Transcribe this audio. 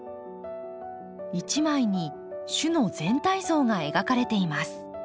一枚に種の全体像が描かれています。